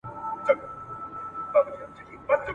خوله په غاښو ښه ښکاري !.